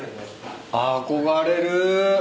憧れる。